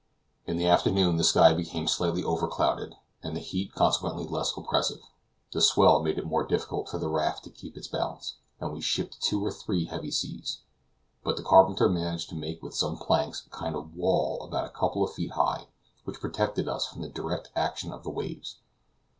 In the afternoon the sky became slightly over clouded, and the heat consequently less oppressive. The swell made it more difficult for the raft to keep its balance, and we shipped two or three heavy seas; but the carpenter managed to make with some planks a kind of wall about a couple of feet high, which protected us from the direct action of the waves.